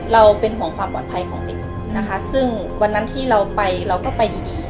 เราเป็นห่วงความปลอดภัยของเด็กนะคะซึ่งวันนั้นที่เราไปเราก็ไปดีดี